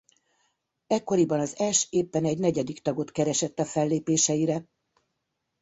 Ekkoriban az Ash éppen egy negyedik tagot keresett a fellépéseire.